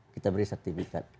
kita beri sertifikat